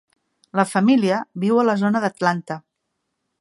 La família viu a la zona d'Atlanta.